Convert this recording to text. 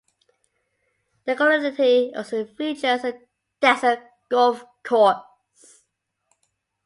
The locality also features a desert golf course.